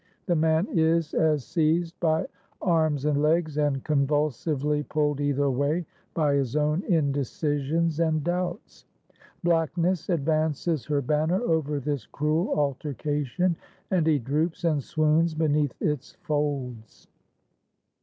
The man is as seized by arms and legs, and convulsively pulled either way by his own indecisions and doubts. Blackness advances her banner over this cruel altercation, and he droops and swoons beneath its folds.